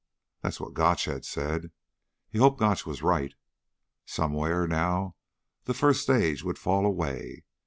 _ That's what Gotch had said. He hoped Gotch was right. Somewhere, now, the first stage would fall away.